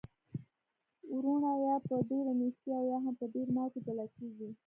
وروڼه یا په ډیره نیستۍ او یا هم په ډیر مال کي جلا کیږي.